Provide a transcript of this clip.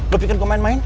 lu pikir gua main main